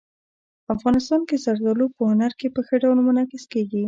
افغانستان کې زردالو په هنر کې په ښه ډول منعکس کېږي.